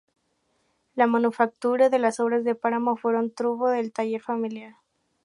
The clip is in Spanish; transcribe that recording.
La manufactura de las obras de Páramo fueron fruto del taller familiar.